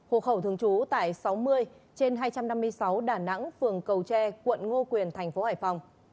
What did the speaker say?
hộ khẩu thường trú tại sáu mươi trên hai trăm năm mươi sáu đà nẵng phường cầu tre quận ngô quyền thành phố hải phòng